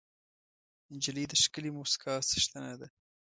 نجلۍ د ښکلې موسکا څښتنه ده.